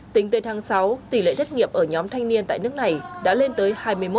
tính tới tháng sáu tỷ lệ thất nghiệp ở nhóm thanh niên tại nước này đã lên tới hai mươi một